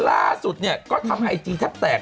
ลาดสุดนี้ก็ทำไอจีแท็กเตก